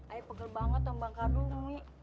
ae pegel banget nombang karun umi